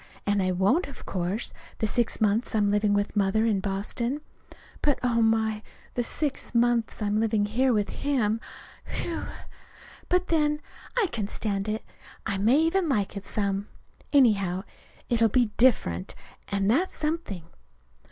And I won't, of course, the six months I'm living with Mother in Boston. But, oh, my! the six months I'm living here with him whew! But, then, I can stand it. I may even like it some. Anyhow, it'll be different. And that's something.